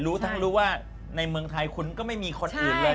ทั้งรู้ว่าในเมืองไทยคุณก็ไม่มีคนอื่นเลย